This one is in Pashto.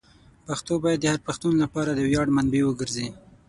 پښتو باید د هر پښتون لپاره د ویاړ منبع وګرځي.